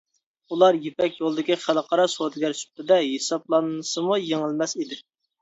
ئۇلار يىپەك يولىدىكى خەلقئارا سودىگەر سۈپىتىدە ھېسابلانسىمۇ يېڭىلمەس ئىدى.